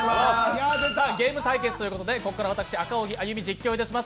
ゲーム対決ということで、ここから私、赤荻歩、実況いたします。